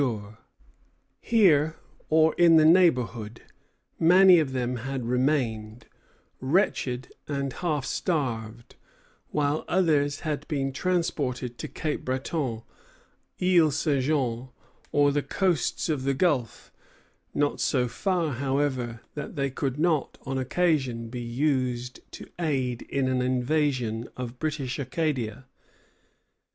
Here, or in the neighborhood, many of them had remained, wretched and half starved; while others had been transported to Cape Breton, Isle St. Jean, or the coasts of the Gulf, not so far, however, that they could not on occasion be used to aid in an invasion of British Acadia.